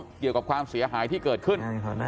เกี่ยวกับความเสียหายที่เกิดขึ้น